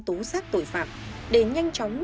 tố xác tội phạm để nhanh chóng